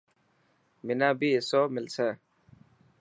منا بي حصو ملسي.